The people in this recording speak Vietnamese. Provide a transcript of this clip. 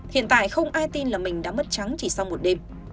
hiện tại không ai tin là mình đã mất trắng chỉ sau một đêm